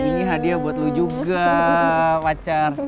ini hadiah buat lu juga pacar